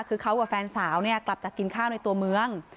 คือเขากับแฟนสาวเนี่ยกลับจากกินข้าวในตัวเมือง